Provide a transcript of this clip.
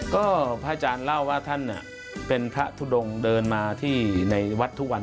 ก็พระอาจารย์เล่าว่าท่านเป็นพระทุดงเดินมาที่ในวัดทุกวัน